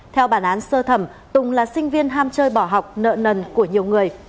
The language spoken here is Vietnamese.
theo bản án sơ thẩm tùng là sinh viên ham chơi bỏ học nợ nần của nhiều người